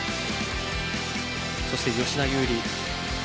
そして吉田優利。